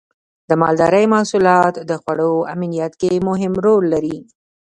د مالدارۍ محصولات د خوړو امنیت کې مهم رول لري.